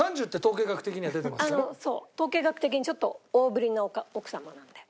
統計学的にちょっと大ぶりの奥様なんで。